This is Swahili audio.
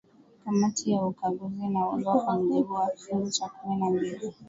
kamati ya ukaguzi inaundwa kwa mujibu wa kifungu cha kumi na mbili